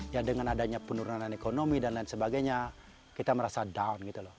ya dengan adanya penurunan ekonomi dan lain sebagainya kita merasa down gitu loh